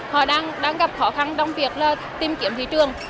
họ đang gặp khó khăn trong việc tìm kiếm thị trường